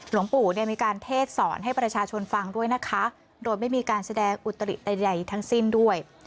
หลวงปู่เนี่ยมีการเทศสอนให้ประชาชนฟังด้วยนะคะโดยไม่มีการแสดงอุตริใดทั้งสิ้นด้วย